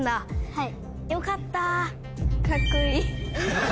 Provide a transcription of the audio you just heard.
はい。